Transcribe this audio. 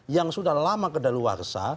yang sudah lama kedaluwarsa